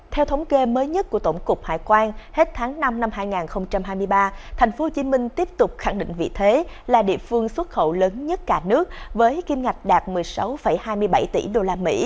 theo thống kê mới nhất của tổng cục hải quan hết tháng năm năm hai nghìn hai mươi ba tp hcm tiếp tục khẳng định vị thế là địa phương xuất khẩu lớn nhất cả nước với kim ngạch đạt một mươi sáu hai mươi bảy tỷ usd